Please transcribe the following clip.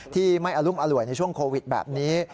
ที่ไม่อรุมอร่วยในช่วงโควิดแบบนี้